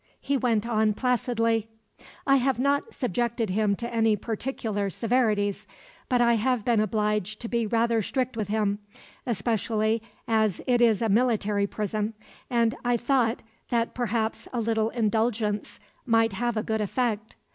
He went on placidly: "I have not subjected him to any particular severities, but I have been obliged to be rather strict with him especially as it is a military prison and I thought that perhaps a little indulgence might have a good effect.